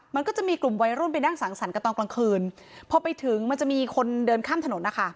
มันก็จะมีกลุ่มวัยรุ่นไปนั่งสังสรรค์กันตอนกลางคืนพอไปถึงมันจะมีคนเดินข้ามถนนนะคะ